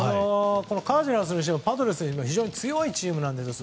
カージナルスにしてもパドレスにしても非常に強いチームなんですね。